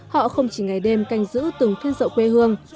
họ không chỉ ngày đêm canh giữ từng phiên dậu quê hương